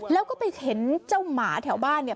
แล้วก็ไปเห็นเจ้าหมาแถวบ้านเนี่ย